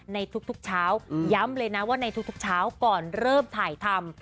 ในทุกเช้าย้ำเลยนะว่าในทุกเช้าก่อนเริ่มถ่ายทำ